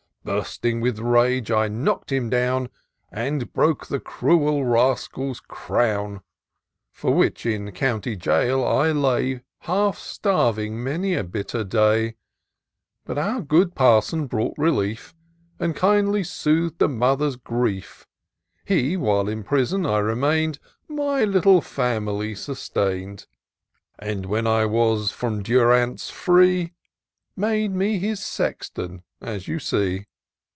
f 80 TOUR OF DOCTOR SYNTAX Bursting with rage, I knock'd him down, And broke the cruel rascal's crown ; For which in county gaol I lay, Half staxving, many a bitter day ; But our good Parson brought relief, And kindly sooth'd a mother's grief. He, while in prison I remained. My little family sustain'd ; And when I was from durance free. Made me his Sexton, as you see.